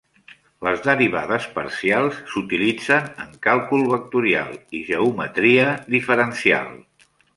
Les derivades parcials s'utilitzen en càlcul vectorial i geometria diferencial.